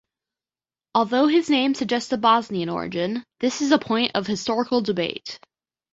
Although his name suggests a Bosnian origin, this is a point of historical debate.